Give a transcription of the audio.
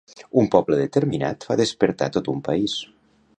Un poble determinat fa despertar tot un país.